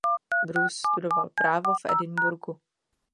Bruce studoval právo v Edinburghu.